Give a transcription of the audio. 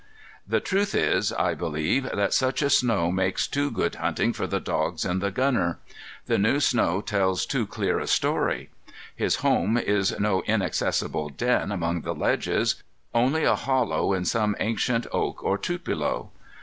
The truth is, I believe, that such a snow makes too good hunting for the dogs and the gunner. The new snow tells too clear a story. His home is no inaccessible den among the ledges; only a hollow in some ancient oak or tupelo.